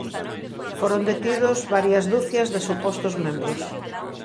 Foron detidos varias ducias de supostos membros.